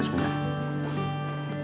lo duduk disitu dulu deh